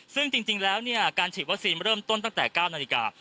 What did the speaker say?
ซึ่งจริงแล้วการฉีดวัคซีนเริ่มต้นตั้งแต่๙นาฬิกา